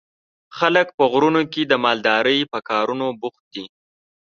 خلک په غرونو کې د مالدارۍ په کارونو بوخت دي.